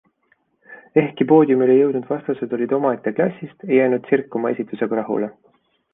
Ehkki poodiumile jõudnud vastased olid omaette klassist, ei jäänud Zirk oma esitusega rahule.